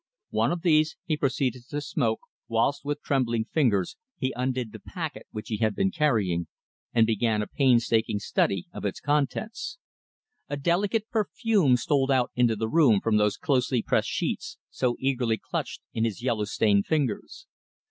One of these he proceeded to smoke, whilst, with trembling fingers, he undid the packet which he had been carrying, and began a painstaking study of its contents. A delicate perfume stole out into the room from those closely pressed sheets, so eagerly clutched in his yellow stained fingers.